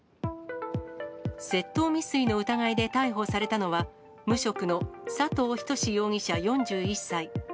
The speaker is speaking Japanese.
窃盗未遂の疑いで逮捕されたのは、無職の佐藤仁容疑者４１歳。